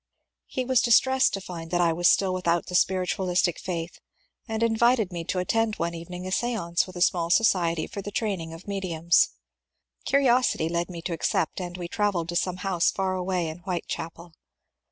He was distressed to find that I was still without the spiritualistic faith, and invited me to attend one evening a stance with a small society for the training of mediums. Curiosity led me to accept, and we travelled to some house far away in Whitechapel.